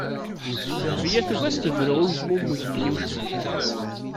Dehbiya tugi ad as-tebru i wezmumeg-nni ucbiḥ.